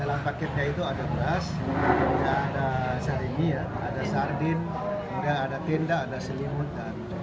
dalam paketnya itu ada beras ada sardin kemudian ada tenda ada selimutan